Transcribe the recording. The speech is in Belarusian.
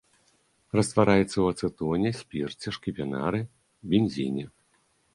Раствараецца ў ацэтоне, спірце, шкіпінары, бензіне.